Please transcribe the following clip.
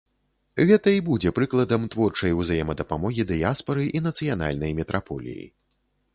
Гэта і будзе прыкладам творчай узаемадапамогі дыяспары і нацыянальнай метраполіі.